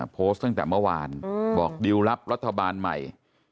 โพสต์ตั้งแต่เมื่อวานบอกดิวรับรัฐบาลใหม่